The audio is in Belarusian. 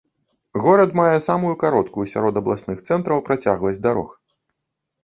Горад мае самую кароткую сярод абласных цэнтраў працягласць дарог.